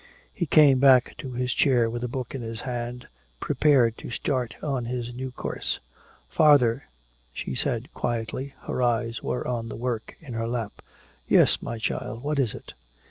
He came back to his chair with a book in his hand, prepared to start on his new course. "Father," she said quietly. Her eyes were on the work in her lap. "Yes, my child, what is it?"